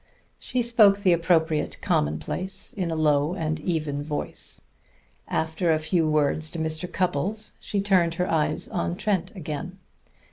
She spoke the appropriate commonplace in a low and even voice. After a few words to Mr. Cupples she turned her eyes on Trent again.